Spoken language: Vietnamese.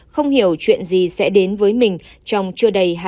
không hiểu chuyện gì sẽ đến với mình trong trưa đầy hai mươi bốn